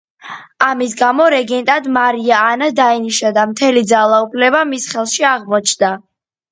ამის გამო რეგენტად მარია ანა დაინიშნა და მთელი ძალაუფლება მის ხელში აღმოჩნდა.